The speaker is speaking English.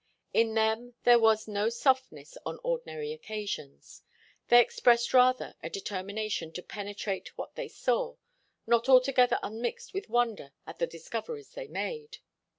In them there was no softness on ordinary occasions. They expressed rather a determination to penetrate what they saw, not altogether unmixed with wonder at the discoveries they made.